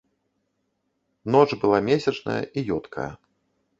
Ноч была месячная і ёдкая.